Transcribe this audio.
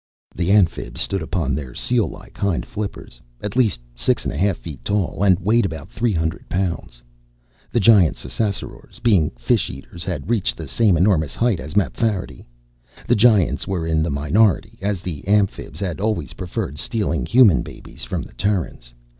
The Amphibs stood upon their seal like hind flippers at least six and a half feet tall and weighed about three hundred pounds. The Giant Ssassarors, being fisheaters, had reached the same enormous height as Mapfarity. The Giants were in the minority, as the Amphibs had always preferred stealing Human babies from the Terrans.